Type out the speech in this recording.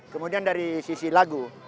kemudian dari sisi lagu